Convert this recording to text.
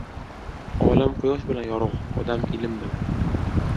• Olam Quyosh bilan yorug‘, odam ― ilm bilan.